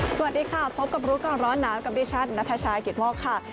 สวัสดีค่ะพบกับบรุษกลางร้อนน้ำกับดิฉันนัทชายกิตมอกค่ะ